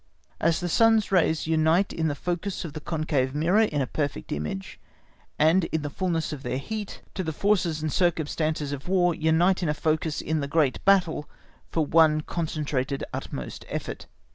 As the sun's rays unite in the focus of the concave mirror in a perfect image, and in the fulness of their heat; to the forces and circumstances of War, unite in a focus in the great battle for one concentrated utmost effort.